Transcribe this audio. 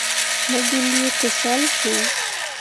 Mo gi lii tǝsal soo.